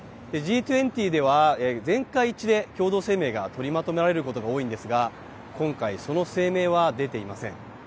Ｇ２０では、全会一致で共同声明が取りまとめられることが多いんですが、今回、その声明は出ていません。